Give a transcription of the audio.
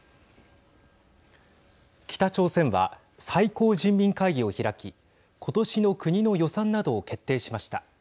北朝鮮は最高人民会議を開き今年の国の予算などを決定しました。